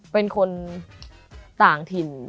เป็นคนต่างถิ่น